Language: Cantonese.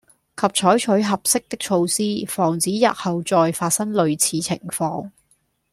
及採取合適的措施，防止日後再發生類似情況